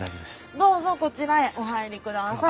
どうぞこちらへお入りください。